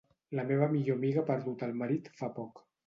La meva millor amiga ha perdut el marit fa poc.